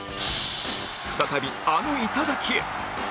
再びあの頂へ